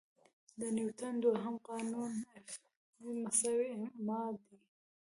د نیوټن دوهم قانون F=ma دی.